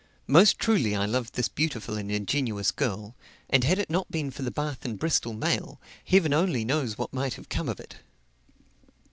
Most truly I loved this beautiful and ingenuous girl; and had it not been for the Bath and Bristol mail, heaven only knows what might have come of it.